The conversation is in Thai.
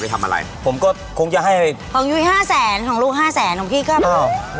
ทำอะไรผมก็คงจะให้ของยุ้ยห้าแสนของลูกห้าแสนของพี่ก็